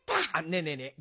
ねえねえねえ